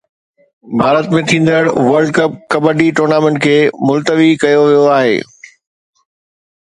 ڀارت ۾ ٿيندڙ world cup kabaddi tournament کي ملتوي ڪيو ويو آهي